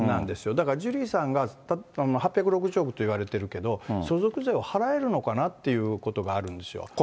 だからジュリーさんが８６０億といわれているけれども、相続税を払えるのかなということがあるんですよね。